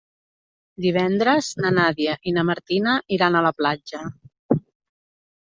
Divendres na Nàdia i na Martina iran a la platja.